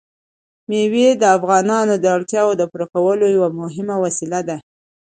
مېوې د افغانانو د اړتیاوو د پوره کولو یوه مهمه وسیله ده.